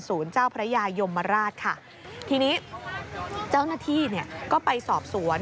ศูนย์เจ้าพระยายมราชที่นี้เจ้าหน้าที่ก็ไปสอบสวน